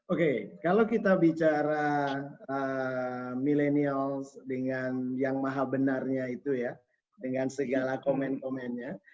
oke kalau kita bicara millennial dengan yang maha benarnya itu ya dengan segala komen komennya